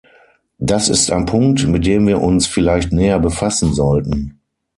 Das ist ein Punkt, mit dem wir uns vielleicht näher befassen sollten.